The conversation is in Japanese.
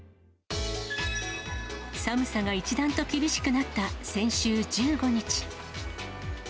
寒さが一段と厳しくなった先週１５日。